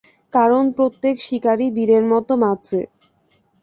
কারণ প্রত্যেক শিকারী বীরের মতো বাঁচে!